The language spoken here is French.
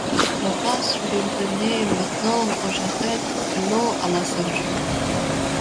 La vase lui venait maintenant aux jarrets et l’eau à la ceinture.